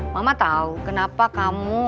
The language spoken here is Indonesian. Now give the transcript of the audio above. mama tau kenapa kamu